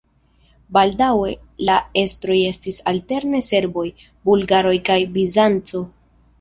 Baldaŭe la estroj estis alterne serboj, bulgaroj kaj Bizanco.